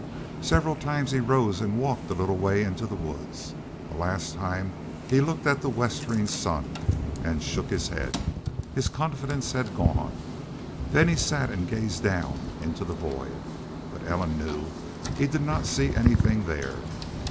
Several times he rose and walked a little way into the woods. The last time he looked at the westering sun and shook his head. His confidence had gone. Then he sat and gazed down into the void. But Ellen knew he did not see anything there.